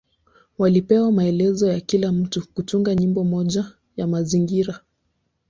Walipewa maelekezo ya kila mtu kutunga nyimbo moja ya mazingira.